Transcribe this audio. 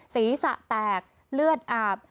ศีรษะแตกเลือดอาบ